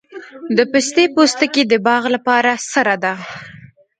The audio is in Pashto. د پستې پوستکي د باغ لپاره سره ده؟